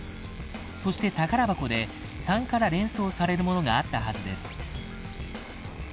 「そして宝箱で３から連想されるものがあったはずです」